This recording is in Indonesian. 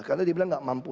karena dia bilang gak mampu